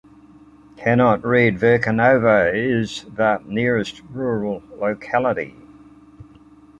Verkhneyablonovo is the nearest rural locality.